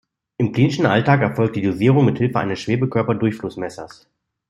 Im klinischen Alltag erfolgt die Dosierung mithilfe eines Schwebekörper-Durchflussmessers.